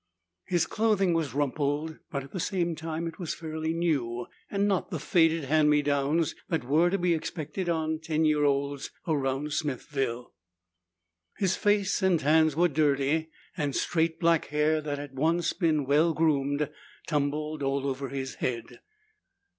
His clothing was rumpled, but at the same time it was fairly new and not the faded hand me downs that were to be expected on ten year olds around Smithville. His face and hands were dirty, and straight black hair that had once been well groomed tumbled all over his head.